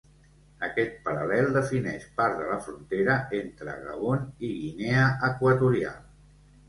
Aquest paral·lel defineix part de la frontera entre Gabon i Guinea Equatorial.